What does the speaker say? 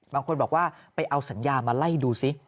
บางคนบอกว่าไปเอาสัญญามาไล่ดูซิ